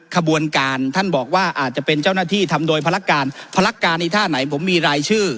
ขบวนการท่านบอกว่าอาจจะเป็นเจ้าหน้าที่ทำโดยภารการพนักการอีท่าไหนผมมีรายชื่อ